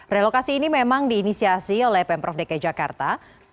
relokasi ini memang diinisiasi oleh pemprov dki jakarta